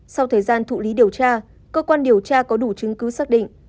sau thời gian thụ lý điều tra cơ quan điều tra có đủ chứng cứ xác định